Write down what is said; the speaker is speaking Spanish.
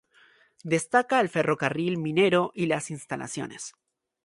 Destaca el ferrocarril minero y las instalaciones.